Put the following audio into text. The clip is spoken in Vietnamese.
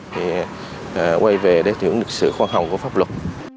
thì quay về để thưởng được sự khoan hồng của pháp luật